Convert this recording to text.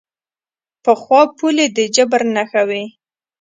پخوا پولې د جبر نښه وې.